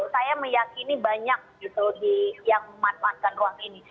saya meyakini banyak gitu yang memanfaatkan ruang ini